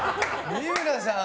三村さん